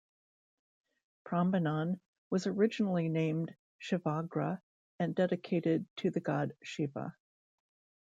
Prambanan was originally named "Shivagrha" and dedicated to the god Shiva.